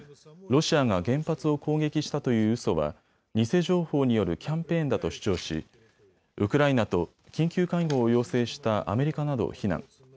ロシアが原発を攻撃したといううそは偽情報によるキャンペーンだと主張し、ウクライナと緊急会合を要請したアメリカなどを非難。